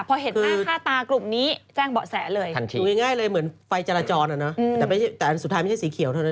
พอเห็นหน้าค่าตากลุ่มนี้แจ้งเบาะแสเลยทันทีดูง่ายเลยเหมือนไฟจราจรอ่ะนะแต่อันสุดท้ายไม่ใช่สีเขียวเท่านั้น